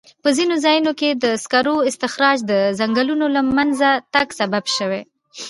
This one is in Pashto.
په ځینو ځایونو کې د سکرو استخراج د ځنګلونو له منځه تګ سبب شوی.